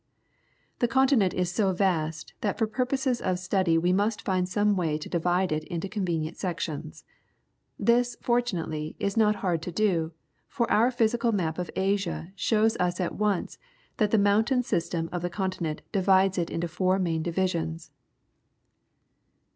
— The continent is so vast that for purposes of study we must find some way to divide it into convenient sections. This, fortunately, is not hard to do, for our physical map of Asia shows us at once that the mountain system of the continent divides it into four main divisions.